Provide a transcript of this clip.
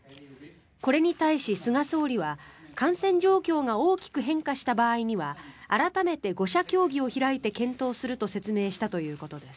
これに対し、菅総理は感染状況が大きく変化した場合には改めて５者協議を開いて検討すると説明したということです。